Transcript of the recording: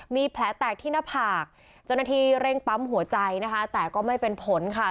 มีแผลแตกที่หน้าผากเจ้าหน้าที่เร่งปั๊มหัวใจนะคะแต่ก็ไม่เป็นผลค่ะ